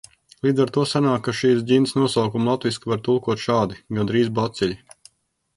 "Līdz ar to sanāk, ka šīs ģints nosaukumu latviski var tulkot šādi: "gandrīz baciļi"."